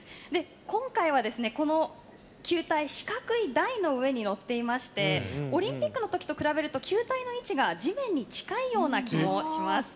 今回は、この球体は四角い台の上に乗っていましてオリンピックのときと比べると球体の位置が地面に近いような気もします。